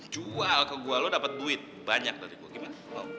jual ke gua lo dapat duit banyak dari gue gimana